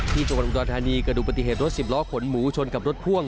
จังหวัดอุดรธานีเกิดดูปฏิเหตุรถสิบล้อขนหมูชนกับรถพ่วง